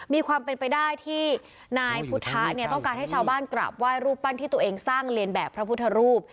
มีความเป็นไปได้ที่นายพุทธะเนี่ยต้องการให้ชาวบ้านกราบไหว้รูปปั้นที่ตัวเองสร้างเรียนแบบพระพุทธรูป